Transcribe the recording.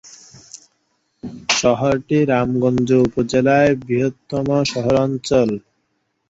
শহরটি রামগঞ্জ উপজেলার বৃহত্তম শহরাঞ্চল।